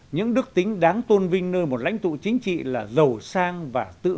những đức tính đáng tôn vinh nơi một lãnh tụ chính trị là giàu sang và tự hào